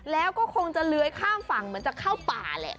แล้วก็คงจะเลื้อยข้ามฝั่งเหมือนจะเข้าป่าแหละ